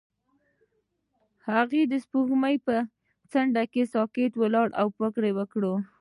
هغه د سپوږمۍ پر څنډه ساکت ولاړ او فکر وکړ.